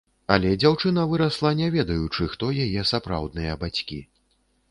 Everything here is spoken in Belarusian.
Але дзяўчына вырасла, не ведаючы, хто яе сапраўдныя бацькі.